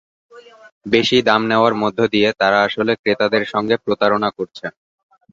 বেশি দাম নেওয়ার মধ্য দিয়ে তাঁরা আসলে ক্রেতাদের সঙ্গে প্রতারণা করছে।